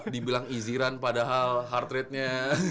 dibilang easy run padahal heart rate nya